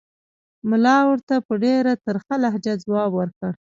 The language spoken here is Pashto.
ملا ورته په ډېره ترخه لهجه ځواب ورکړ.